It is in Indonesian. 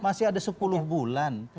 masih ada sepuluh bulan